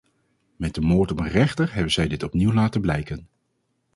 Met de moord op een rechter hebben zij dit opnieuw laten blijken.